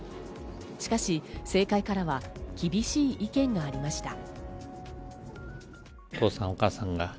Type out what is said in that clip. しかし政界からは厳しい意見がありました。